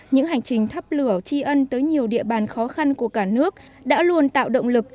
những hành trình thắp lửa tri ân tới nhiều địa bàn khó khăn của cả nước đã luôn tạo động lực